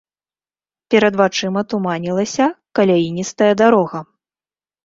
Перад вачыма туманілася каляіністая дарога.